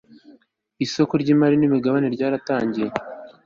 isoko ry'imari n'imigabane ryaratangijwe